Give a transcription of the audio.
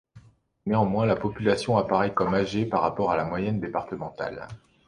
Néanmoins, la population apparaît comme âgée par rapport à la moyenne départementale.